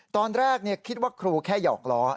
ตอนแรกคิดว่าครูแค่หยอกล้อ